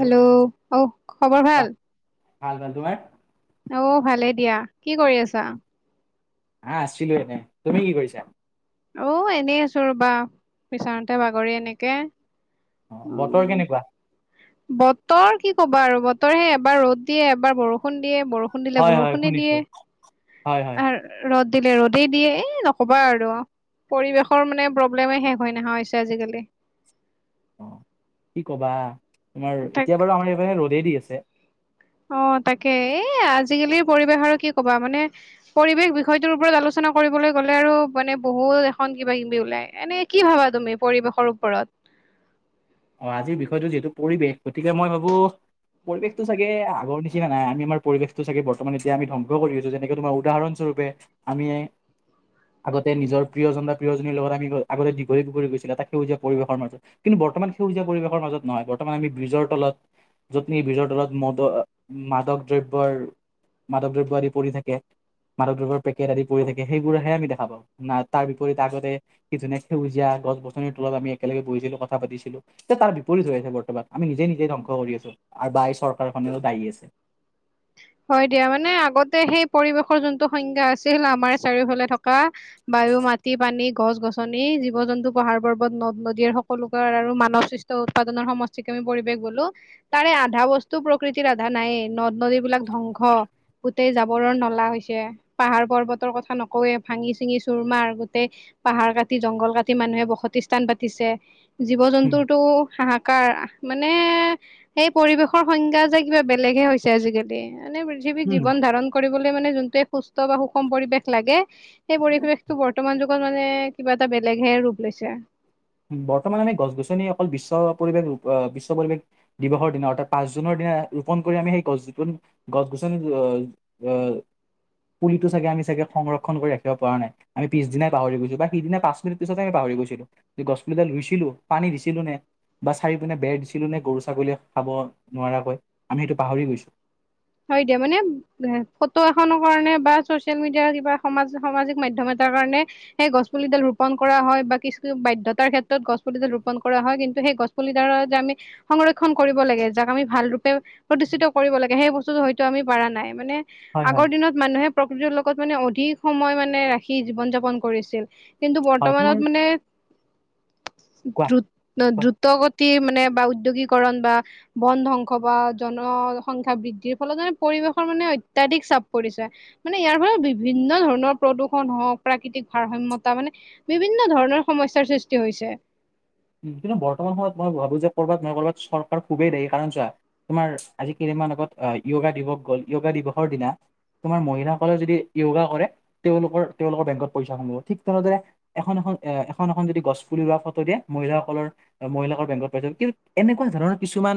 Hello, অ' খবৰ বাহ ভাল? ভাল, ভাল। তোমাৰ? অ' ভালে দিয়া। কি কৰি আছা? আ আছিলো এনে। তুমি কি কৰিছা? অ' এনেই আছো ৰ'বা, বিচনাতে বাগৰি এনেকে। বতৰ উম কেনেকুৱা? বতৰ, কি ক'বা আৰু, বতৰ হে এবাৰ ৰ'দ দিয়ে এবাৰ বৰষুণ দিয়ে বৰষুণ বৰষুণ দিলে হয় হয় বৰষুণে শুনিছো দিয়ে হয় হয়। আৰ ৰ'দ দিলে, ৰ'দ দিয়ে। এ, নক'বা আৰু। পৰিৱেশৰ মানে প্ৰব্লেমে শেষ হৈ নহা হৈছে আজিকালি। অ কি ক'বা, তোমাৰ তাক এতিয়া বাৰু আমাৰ এইফালে ৰ'দে দি আছে। অ' তাকে। এই আজিকালিৰ পৰিৱেশ আৰু কি ক'বা মানে পৰিৱেশ বিষয়টোৰ ওপৰত আলোচনা কৰিবলৈ গ'লে আৰু মানে বহুত এখন কিবা কিবি ওলাই এনে কি ভাবা তুমি পৰিৱেশৰ ওপৰত? অ' আজিৰ বিষয়টো যিহেতু পৰিৱেশ গতিকে মই ভাবো পৰিৱেশটো চাগে আগৰ নিচিনা নাই আমি আমাৰ পৰিৱেশটো চাগে বৰ্তমান এতিয়া আমি ধবংস কৰি আছো যেনেকে তোমাৰ উদাহৰণ স্বৰূপে, আমি এই আগতে নিজৰ প্ৰিয়জন বা প্ৰিয়জনীৰ লগত আমি আগতে দীঘলী পুখুৰীত গৈছিলো এটা সেউজীয়া পৰিৱেশৰ মাজত। কিন্তু বৰ্তমান সেউজীয়া পৰিৱেশৰ মাজত নহয়, বৰ্তমান আমি ব্ৰিজৰ তলত য'ত নেকি ব্ৰিজৰ তলত মদৰ আ মাদক দ্ৰব্যৰ মাদক দ্ৰব্য আদি পৰি থাকে, মাদক দ্ৰব্যৰ পেকেট আদি পৰি থাকে সেইবোৰেহে আমি দেখা পাও। নাই তাৰ বিপৰীতে আগতে কি ধুনীয়া সেউজীয়া গছ- গছনিৰ তলত আমি একেলগে বহিছিলো কথা পাতিছিলো। ত তাৰ বিপৰীত হৈ আছে বৰ্তমান আমি নিজে, নিজে ধ্বংস কৰি আছো আৰু বা এই চৰকাৰখনৰো দায়ী আছে। হয় দিয়া মানে আগতে সেই পৰিৱেশৰ যোনটো সংজ্ঞা আছিল আমাৰ চাৰিওফালে থকা বায়ু, মাটি, পানী, গছ- গছ নি, জীৱ- জন্তু, পাহাৰ- পৰ্বত, নদ- নদীৰ সকলোবোৰ আৰু মানৱসৃষ্ট উৎপাদনৰ সমস্ত যিটো আমি পৰিৱেশ বোলো, তাৰে আধা বস্তু প্ৰকৃতিৰ আধা নায়েই নদ- নদীবিলাক ধ্বংস গোটেই জাবৰৰ নলা হৈছে। পাহাৰ- পৰ্বতৰ কথা নকওয়ে ভাঙি- চিঙি চুৰমাৰ গোটেই পাহাৰ কাটি, জংঘল কাটি মানুহে বসতি স্থান পাতিছে। জীৱ- জন্তুৰতো হাহাকাৰ আ মানে সেই পৰিৱেশৰ সংজ্ঞা যে কিবা বেলেগহে হৈছে আজিকালি এনে পৃথিৱীক জীৱন- ধাৰণ কৰিবলৈ মানে যোনটো এই সুস্থ বা সুষম পৰিৱেশ লাগে সেই পৰিবৱেশটো বৰ্তমান যুগত মানে কিবা এটা বেলেগহে ৰূপ লৈছে। বৰ্তমান আমি গছ গছনি অকল বিশ্ব পৰিৱেশ ৰূপ অ বিশ্ব পৰিৱেশ দিৱসৰ দিনা অৰ্থাৎ পাঁচ জুনৰ দিনা ৰোপণ কৰি আমি সেই গছ গছনি গছ গছনি অ অ পুলিটো চাগে আমি চাগে সংৰক্ষণ কৰি ৰাখিব পৰা নাই। আমি পিছদিনাই পাহৰি গৈছো বা পিছদিনা পাঁচ মিনিট পিছতে আমি পাহৰি গৈছিলো। গছ পুলিডাল ৰুইছিলো পানী দিছিলো নে বা চাৰিপিনে বেৰ দিছিলো নে গৰু ছাগলীয়ে খাব নোৱাৰাকৈ আমি সেইটো পাহৰি গৈছো হয় দিয়া মানে এ ফটো এখনৰ কাৰণে বা ছচিয়েল মিডিয়াৰ কিবা সমাজ সামাজিক মাধ্যম এটাৰ কাৰণে সেই গছ পুলিডাল ৰোপন কৰা হয় বা কিছু বাধ্যতাৰ ক্ষেত্ৰত গছ পুলিডাল ৰোপন কৰা হয় কিন্তু সেই গছ পুলিডালৰ যে আমি সংৰক্ষণ কৰিব লাগে যাক আমি ভাল ৰূপ প্ৰতিষ্ঠিত কৰিব লাগে সেই বস্তু হয়তো আমি পাৰা নাই মানে হয় হয় আগৰ দিনত মানুহে প্ৰকৃতিৰ লগত মানে অধিক সময় মানে ৰাখি জীৱন যাপন কৰিছিল। কিন্তু হয় তোমাৰ বৰ্তমানত মানে কোৱা দ্ৰুত অ কোৱা দ্ৰুত গ তিৰ মানে বা উদ্যোগীকৰণ বা বন ধ্বংস বা জনসংখ্যা বৃদ্ধি ফলেত পৰিৱেশৰ মানে অত্যাধিক চাপ পৰিছে। মানে ইয়াৰ ফলত বিভিন্ন ধৰণৰ প্ৰদূষণ হওক প্ৰাকৃতিক ভাৰসাম্যতা মানে বিভিন্ন ধৰণৰ সমস্যাৰ সৃষ্টি হৈছে কিন্তু বৰ্তমান সময়ত মই ভাবো যে কৰ'বাত নহয় ক'ৰবাত চৰকাৰ খুবেই দায়ী কাৰণ চোৱা তোমাৰ আজি কেইদিনমান আগত আহ য়োগা দিৱস গ'ল য়োগা দিৱসৰ দিনা তোমাৰ মহিলাসকলে যদি য়োগা কৰে তেওঁলোকৰ-তেওঁলোকৰ বেংকত পইচা সমাব ঠিক তেনেদৰে এখন-এখন এ এখন-এখন যদি গছ পুলি ৰোৱা ফটো দিয়ে মহিলাসকলৰ মহিলাকৰ বেংকত পাই যাম কিন্তু এনেকোৱা ধৰণৰ কিছুমান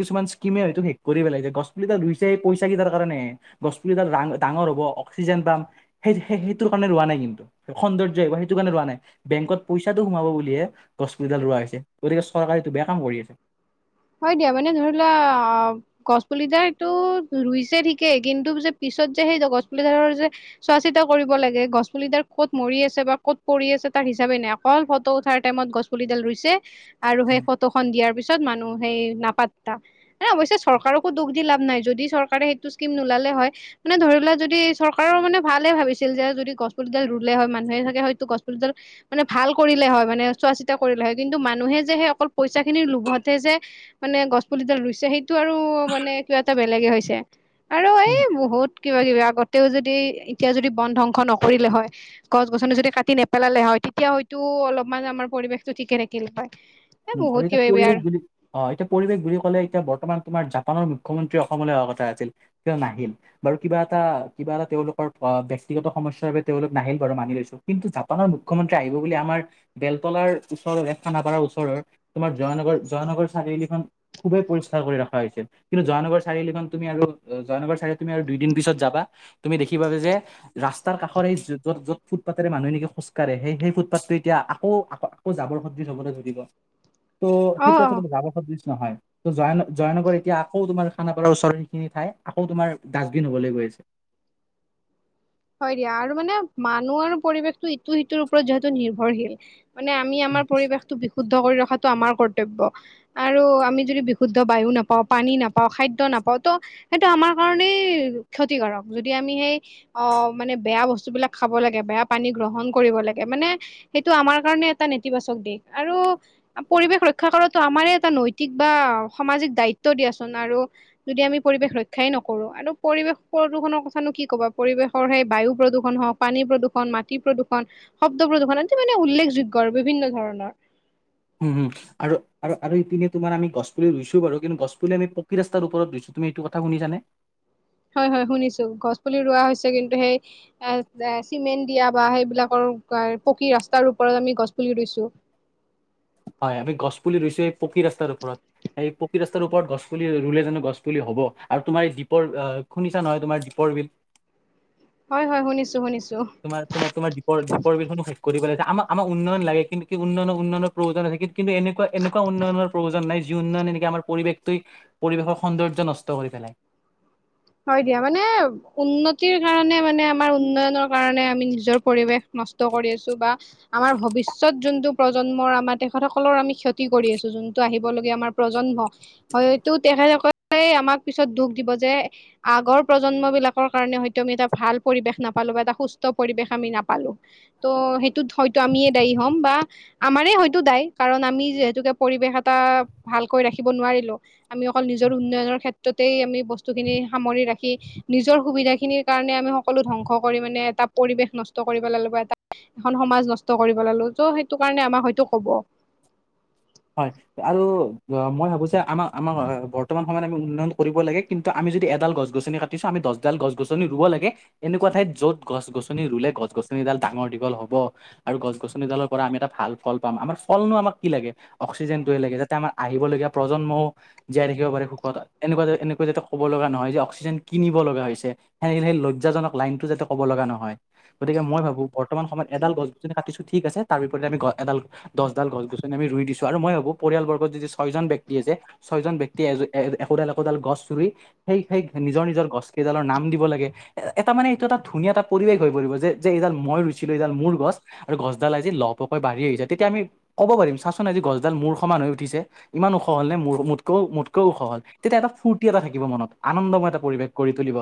কিছুমান স্কিমে হয়তো শেষ কৰি পেলাইছে গছ পুলিডাল ৰোইছে পইচা কেইটাৰ কাৰণেহে। গছ পুলিডাল ৰাং ডাঙৰ হ'ব অক্সিজেন পাম সেই সেইটোৰ কাৰণে ৰোৱা নাই কিন্তু। সৌন্দৰ্য আহিব সেইটো কাৰণে ৰোৱা নাই বেংকত পইচাটো সোমাব বুলিহে গছ পুলিডাল ৰোৱা হৈছে গতিকে চৰকাৰে এইটো বেয়া কাম কৰি আছে। হয় দিয়া মানে ধৰি লোৱা আ গছপুলি ডালটো ৰুইছে ঠিকে কিন্তু যে পিছত যে সেই গছপুলিডালৰ যে চোৱা চিতা কৰিব লাগে গছপুলিডাল ক'ত মৰি আছে বা ক'ত পৰি আছে তাৰ হিচাপে নাই অকল ফটো উঠাৰ টাইমত গছ পুলিডাল ৰুইছে আৰু সেই ফটোখন দিয়াৰ পিছত মানুহ সেই নাপাট্টা। এ অৱশ্যে চৰকাৰকো দোষ দি লাভ নাই যদি চৰকাৰে সেইটো স্কীম নোলালে হয় মানে ধৰি লোৱা যদি চৰকাৰৰ মানে ভালে ভাবিছিল যে যদি গছপুলিডাল ৰুলে হয় মানুহে চাগে হয়তো গছপুলিডাল মানে ভাল কৰিলে হয় মানে চোৱা চিতা কৰিলে হয় কিন্তু মানুহে যে সেই অকল পইচাখিনিৰ লোভতহে যে মানে গছ পুলিডাল ৰুইছে সেইটো আৰু মানে কিবা এটা বেলেগে হৈছে আৰু এই উম [inaudible] বহুত কিবা কিবি আগতেও যদি এতিয়া যদি বন ধ্বংস নকৰিলে হয় গছ গছনি যদি কাটি নেপেলালে হয় তেতিয়া হয়তো অলপমান আমাৰ পৰিৱেশতটো ঠিকে থাকিল হয়। এ উম আৰু বহুত এতিয়া কিবা কিবি পৰিৱেশ আৰু বুলি অ এতিয়া পৰিৱেশ বুলি কলে এতিয়া বৰ্তমান তোমাৰ জাপানৰ মুখ্যমন্ত্ৰী অসমলৈ অহা কথা আছিল কিন্তু নাহিল। বাৰু কিবা এটা কিবা এটা তেওঁলোকৰ অ ব্যক্তিগত সমস্যাৰ বাবে তেওঁলোক নাহিল বাৰু মানি লৈছো। কিন্তু জাপানৰ মুখ্যমন্ত্ৰী আহিব বুলি আমাৰ বেলতলাৰ ওচৰৰ এ খানাপাৰঐ ওচ ওচৰৰ তোমাৰ জয়ানগৰ-জয়ানগৰ চাৰিআলিখন খুবেই পৰিষ্কাৰ কৰি ৰখা হৈছে। কিন্তু জয়ানগৰ চাৰিআলিখন তুমি আৰু জয়ানগৰ চাৰি তুমি আৰু দুইদিন পিছত যাবা তুমি দেখিবা যে ৰাস্তাৰ কাষৰে এই যত-য'ত ফুটপাতেৰে মানুহ এনেকে খোজকাঢ়ে সেই-সেই ফুটপাথটো এতিয়া আকৌ আকৌ জাবৰ সদৃশ হ'বলৈ ধৰিব ত' অ সেইটো অ আচলতে জাবৰ সদৃশ নহয়। ত জয়ান' জয়নগৰ এতিয়া আকৌ তোমাৰ খানাপাৰৰ ওচৰত সেইখিনি ঠাই আকৌ তোমাৰ ডাষ্টবিন হবলৈ গৈ আছে। হয় দিয়া আৰু মানে মানুহ আৰু পৰিৱেশটো ইটো সিটোৰ ওপৰত যিহেতু নিৰ্ভৰশীল মানে আমি আমাৰ পৰিৱেশটো বিশুদ্ধ কৰি ৰখাটো আমাৰ কৰ্তব্য। আৰু আমি যদি বিশুদ্ধ বায়ু নাপাওঁ পানী নাপাওঁ খাদ্য নাপাওঁ ত'। সেইটো আমাৰ কাৰণেই ক্ষতিকাৰক যদি আমি সেই অ মানে বেয়া বস্তুবিলাক খাব লাগে বেয়া পানী গ্ৰহণ কৰিব লাগে মানে সেইটো আমাৰ কাৰণে এটা নেতিবাচক দিশ আৰু পৰিৱেশ ৰক্ষা কৰাটো আমাৰে এটা নৈতিক বা সামাজিক দায়িত্ব দিয়াচোন আৰু যদি আমি পৰিৱেশ ৰক্ষাই নকৰো আৰু পৰিৱেশ প্ৰদূষণৰ কথানো কি ক'বা। পৰিৱেশৰ সেই বায়ু প্ৰদূষণ হওক, পানী প্ৰদূষণ, মাটি প্ৰদূষণ শব্দ প্ৰদূষণ মানে উল্লেখযোগ্য আৰু বিভিন্নধৰণৰ উম হুম। আৰু আৰু ইপিনে তোমাৰ আমি গছু পুলি ৰুইছো বাৰু কিন্তু গছ পুলি পকী ৰাস্তাৰ ওপৰত ৰুইছো তুমি এইটো কথা শুনিছানে? হয় হয় শুনিছো গছ পুলি ৰোৱা হৈছে কিন্তু সেই এ চিমেণ্ট দিয়া বা সেইবিলাকৰ পকী ৰাস্তাৰ ওপৰত আমি গছ পুলি ৰুইছো। হয় আমি গছ পুলি ৰুইছো এই পকী ৰাস্তাৰ ওপৰত। এই পকি ৰাস্তাৰ ওপৰত গছ পুলি ৰুলে জানো গছ পুলি হ'ব আৰু তোমাৰ এই দ্বীপৰ অ শুনিছা নহয় তোমাৰ দ্বীপৰ বিল। হয় হয় শুনিছো শুনিছো। তোমাৰ তোমাৰ তোমাৰ দ্বীপৰ দ্বীপৰ বিলখনো শেষ কৰি পেলাইছে আমাক আমাক উন্নয়ন লাগে কিন্তু কি উন্নয়নৰ উন্নয়নৰ প্ৰয়োজন আছে কিন্তু এনেকুৱা এনেকুৱা উন্নয়নৰ প্ৰয়োজন নাই যি উন্নয়ন একে আমাৰ পৰিৱেশটোৱেই পৰিৱেশৰ সৌন্দৰ্য নষ্ট কৰি পেলাই। হয় দিয়া মানে উন্নতিৰ কাৰণে মানে আমাৰ উন্নয়নৰ কাৰণে আমি নিজৰ পৰিৱেশ নষ্ট কৰি আছো। বা আমাৰ ভৱিষ্যত যোনটো প্ৰজন্মৰ আমাৰ তেখেত সকলৰ আমি ক্ষতি কৰি আছো। যোনটো আহিবলগীয়া আমাৰ প্ৰজন্ম। হয়তো, তেখেতসকলে আমাক পিছত দুখ দিব যে আগৰ প্ৰজন্ম বিলাকৰ কাৰণে হয়টো আমি এটা ভাল পৰিৱেশ নাপালো বা এটা সুস্থ পৰিৱেশ আমি নাপালো। ত' সেইটোত হয়তো আমিয়ে দায়ী হ'ম বা আমাৰে হয়তো দায়ী কাৰণ আমি যিহেতুকে পৰিৱেশ এটা ভালকৈ ৰাখিব নোৱাৰিলো। আমি অকল নিজৰ উন্নয়নৰ ক্ষেত্ৰতেই আমি বস্তুখিনি সামৰি ৰাখি নিজৰ সুবিধা খিনিৰ কাৰণে আমি সকলো ধ্বংস কৰি মানে এটা পৰিৱেশ নষ্ট কৰি পেলালো বা এটা এখন সমাজ নষ্ট কৰিব পেলালো ত' সেইটো কাৰণে আমাক হয়তো কব। হয় আৰু মই ভাবোঁ যে আমাক আমাৰ বৰ্তমান সময়ত আমি উন্নয়ন কৰিব লাগে। কিন্তু আমি যদি এডাল গছ -গছনি কাটিছো। আমি দহডাল গছ- গছনি ৰুব লাগে। এনেকুৱা ঠাইত যত গছ -গছনি ৰুলে গছ- গছনিডাল ডাঙৰ, দীঘল হব। আৰু গছ -গছনিডালৰ পৰা আমি এটা ভাল ফল পাম আমাৰ ফল নো আমাক কি লাগে? অক্সিজেনটোৱে লাগে। যাতে আমাৰ আহিবলগীয়া প্ৰজন্মও জীয়াই ৰাখিব পাৰে সুখত এনেকুৱা, এনেকুৱা যাতে ক'ব লগা নহয় যে অক্সিজেন কিনিব লগা হৈছে। সেনে সেই লজ্জাজক লাইনতো যাতে ক'ব লগা নহয়। গতিকে মই ভাবো বৰ্তমান সময়ত এডাল গছ- গছনি কাটিছো ঠিক আছে। তাৰ বিপৰতে আমি গছ এডাল, দছডাল গছ- গছনি আমি ৰুই দিছো আৰু মই ভাবো পৰিয়ালবৰ্গত যদি ছয় জন ব্যক্তি আছে। ছয়জন ব্যক্তিয়ে এ, একোডাল, একোডাল গছ ৰুই সেই, সেই নিজৰ, নিজৰ গছ কেইডালৰ নাম দিব লাগে। এ! এটা মানে এইটো এটা ধুনীয়া এটা পৰিৱেশ হৈ পৰিব যে, যে এইডাল মই ৰুইছিলো এইডাল মোৰ গছ। আৰু গছডাল আজি লহ- পহকৈ বাঢ়ি আহিছে। তেতিয়া আমি ক'ব পাৰিম। চাচোন আজি গছডাল মোৰ সমান হৈ উঠিছে। ইমান ওখ হ'লনে মোৰ, মোতকও, মোতকেও ওখ হ'ল। তেতিয়া এটা ফূৰ্তি এটা থাকিব মনত আনন্দময় এটা পৰিৱেশ কৰি তুলিব।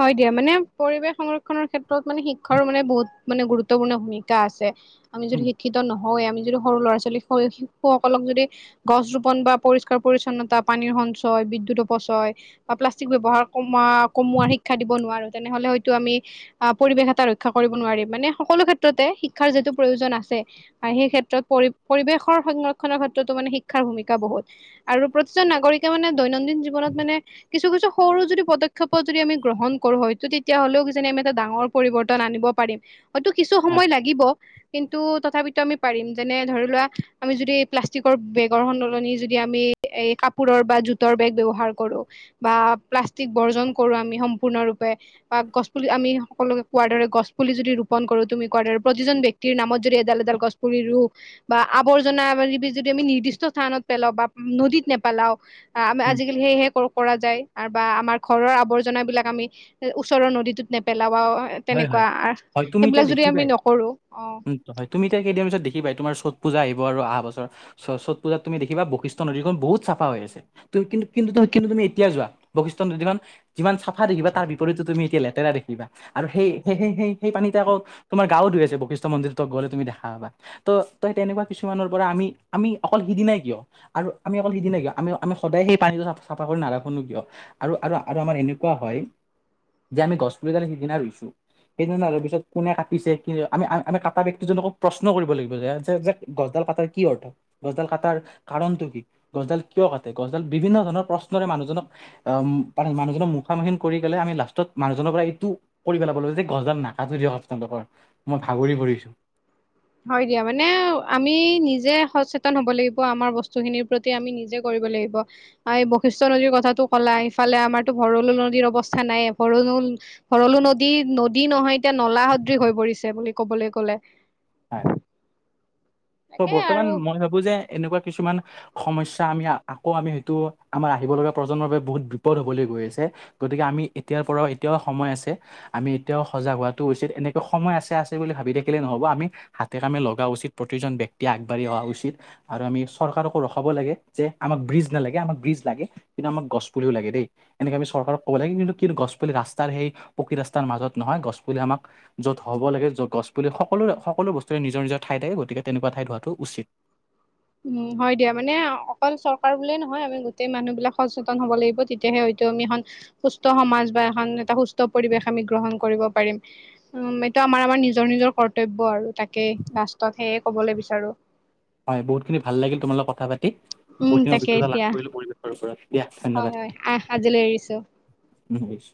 হয় দিয়া, মানে পৰিৱেশ সংৰক্ষণৰ ক্ষেত্ৰত মানে শিক্ষাৰো মানে বহুত মানে গুৰুত্বপূৰ্ণ ভূমিকা আছে আমি যদি উম, শিক্ষিত নহ হয়, আমি যদি সৰু ল'ৰা- ছোৱালী, শিশুসকলক যদি গছ ৰোপন বা পৰিষ্কাৰ- পৰিচ্ছনতা, পানীৰ সঞ্চয়, বিদ্যুত অপচয় বা প্লাষ্টিক ব্যৱহাৰ কমোৱা, কমোৱাৰ শিক্ষা দিব নোৱাৰোঁ, তেনেহ'লে হয়তো আমি আ'হ পৰিৱেশ এটা ৰক্ষা কৰিব নোৱাৰিম। মানে সকলো ক্ষেত্ৰতে শিক্ষাৰ যিটো প্ৰয়োজন আছে। আৰু সেই ক্ষেত্ৰত পৰি, পৰিৱেশৰ সংৰক্ষণৰ ক্ষেত্ৰতো মানে শিক্ষাৰ ভূমিকা বহুত। আৰু প্ৰতিজন নাগৰিকে মানে দৈনন্দিন জীৱনত মানে কিছু, কিছু সৰু যদি পদক্ষেপ যদি আমি গ্ৰহণ কৰো। হয়তটো তেতিয়া আমি এটা ডাঙৰ পৰিৱৰ্তন আনিব পাৰিম। হয়তো, কিছু হয় সময় লাগিব। কিন্তু তথাপিতো আমি পাৰিম যেনে ধৰি লোৱা আমি যদি প্লাষ্টিকৰ বেগৰ সলনি যদি আমি এ! কাপোৰৰ বা জোতৰ বেগ ব্যৱহাৰ কৰো বা প্লাষ্টিক বৰ্জন কৰো আমি সম পূৰ্ণৰূপে বা গছ, পুলি আমি সকলোকে কোৱাৰ দৰে গছ, পুলি যদি ৰোপন তুমি কোৱাৰ দৰে প্ৰতিজন বক্তি নামত যদি এডাল, এডাল গছ, পুলি ৰুওঁ। বা আৱৰ্জ যদি আমি নিৰ্দিষ্ট স্থানত পেলাও বা নদীত নেপেলাও। আমি উম, আজিকালি সেয়হে কৰা যায় বা আমাৰ ঘৰৰ আৱৰ্জনাবিলাক আমি ওচৰৰ নদীটোত নেপেলাও হয় হয় তেনেকুৱা, হয় তুমি এতিয়া সেইবিলাক যদি আমি দেখিবাই নকৰো। অ,। উম, হয়, তুমি এতিয়া কেইদিন পিছত দেখিৱাই তোমাৰ চ'ত পূজা আহিব আৰু অহা বছৰ। চ, চাত পূজাত তুমি দেখিবা বশিষ্ট নদীখন বহুত চাফা আছে। কিন্তু, কিন্তু, কিন্তু তুমি এতিয়া যোৱা বশিষ্ঠত নদীখন যিমান চাফা দেখিবা, তাৰ বিপৰীতে তুমি এতিয়া লেতেৰা দেখিবা। আৰু সেই-সেইে-সে-সেই-সেই পানীতে আকো তোমাৰ গা ও ধুই আছে বশিষ্ঠ মন্দিৰত গ'লে তুমি দেখা পাবা। ত তই তেনেকুৱা কিছুমানৰ পৰা আমি, আমি অকল সিদি নাই কিয়? আৰু আমি অকল সিদিনা কিয় আমি-আমি সদায় সেই পানীটো চফা কৰি নাৰাখো নো কিয়? আৰু-আৰু-আৰু আমাৰ এনেকুৱা হয়, যে আমি গছ প গালি সিদিনা ৰুইছোঁ সেইদিনা পিছত কোনে কাটিছে কিন্তু আমি-আমি কাটা ব্যক্তিজনকো প্ৰশ্ন কৰিব লাগিব যে গছডাল কাটাৰ কি অৰ্থ? গছডাল কাটাৰ কাৰণটো কি? গছডাল কিয় কাটে? গছডাল বিভিন্ন ধৰণৰ প্ৰশ্নৰে মানুহজনক অ, মানুহজনৰ মুখামুখিনন কৰি গলে আমি মানুহজনৰ পৰা এটো কৰি পেলাবো যে গছজাল নাকাটো দিয়ক আপোনালোকৰ, মই ভাগৰি পৰিছোঁ। হয় দিয়া মানে আমি নিজে সচেতন হব লাগিব আমাৰ বস্তুখিনিৰ প্ৰতি আমি নিজে কৰিব লাগিব। এই বৈশিষ্টয় নদীৰ কথাাতটো কলা, ইফালে আমাৰতো ভৰলো নদীৰ অৱস্থা নাই ভৰলো ভৰলো নদী, নদী নহয় এতিয়া নলা সদৃ হৈ পৰিছে বুলি কবলৈ গলে। হয়। তাকে বৰ্তমান আৰু মই ভাবোঁ যে এনেকুৱা কিছুমান সমস্ আমি আকৌ আমি হয়টো আমাৰ আহিব লগা প্ৰজন্মৰ বাবে বহুত বিপদ হবলৈ গৈ আছে। গতিকে আমি এতিয়াৰ পৰাও এতিয়াও সময় আছে আমি এতিয়াও সজাগ হোৱাটো উচিত এনেকৈ সময় আছে, আছে বুলি ভাবি থাকিলে নহব আমি হাতে কামে লগা উচিত, প্ৰতিজন ব্যক্তিয়ে আগাঢ়ি অহা উচিত। আৰু আমি চৰকাৰকো ৰখাব লাগে যে আমাক ব্ৰিজ নালাগে। আমাক ব্ৰিজ লাগে। কিন্তু আমাক গছপুলিও লাগে দেই। এনেকে আমি চৰকাৰক ক'ব লাগে কিন্তু-কিন্তু গছ পুলি ৰাস্তাৰ সেই পকী ৰাস্তাৰ মাজত নহয়, গছ পুলি আমাক য'ত হ'ব লাগে য' গছ পুলি সকলো-সকলো বস্তুৰে নিজৰ-নিজৰ ঠাই থাকে, গতিকে তেনেকুৱা ঠাই ধোৱাটো উচিত। উম হয় দিয়া। মানে অকল চৰকাৰ বুলিয়ে নহয় আমি গোটেই মানুহ বিলাক সচেতন হ'ব লাগিব তেতিয়াহে হয়তো আমি এখন সুস্থ সমাজ বা এখন এটা সুস্থ পৰিৱেশ আমি গ্ৰহণ কৰিব পাৰিম। উম, এইটো আমাৰ-আমাৰ নিজৰ-নিজৰ কৰ্তব্য আৰু তাকেই লাষ্টত সেয়ে কবলৈ বিচাৰোঁ। হয় বহুত খিনি ভাল লাগিল তোমাৰ লগত কথা পাতি। উম বহুত খিনি তাকে অভিজ্ঞতা লাভ এতিয়া কৰিলোঁ পৰিৱেশৰ ওপৰত, দিয়া হয় ধন্যবাদ। হয় আহ আজিলৈ এৰিছো [unintelligible]